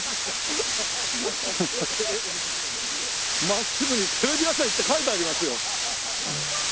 真っすぐに「テレビ朝日」って書いてありますよ。